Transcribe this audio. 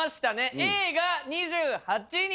Ａが２８人。